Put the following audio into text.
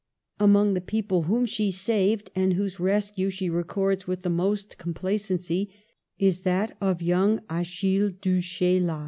Among the people whom she saved, and whose rescue she records with the most complacency, is that of young Achille du Chayla.